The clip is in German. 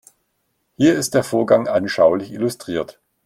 Hier ist der Vorgang anschaulich illustriert.